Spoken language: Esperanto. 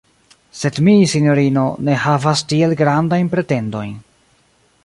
Sed mi, sinjorino, ne havas tiel grandajn pretendojn.